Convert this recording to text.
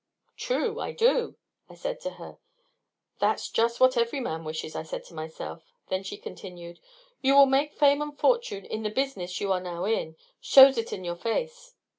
"True, I do," I said to her; that's just what every man wishes, I said to myself. Then she continued: "You will make fame and fortune in the business you are now in. Shows it in your face."